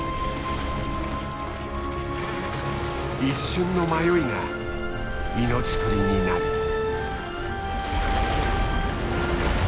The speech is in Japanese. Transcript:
一瞬の迷いが命取りになる。